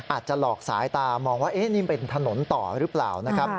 อาจจะหลอกสายตามองว่านี่เป็นถนนต่อหรือเปล่านะครับ